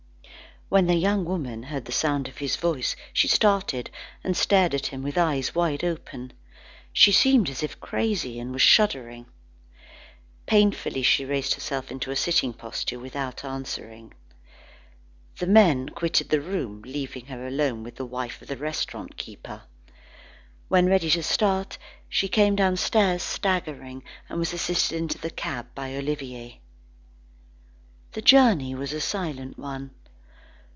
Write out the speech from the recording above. When the young woman heard the sound of his voice, she started, and stared at him with eyes wide open. She seemed as if crazy, and was shuddering. Painfully she raised herself into a sitting posture without answering. The men quitted the room, leaving her alone with the wife of the restaurant keeper. When ready to start, she came downstairs staggering, and was assisted into the cab by Olivier. The journey was a silent one.